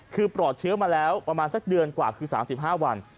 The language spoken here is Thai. คือปลอดเชื้อมาแล้วประมาณสักเดือนกว่าคือ๓๕วัน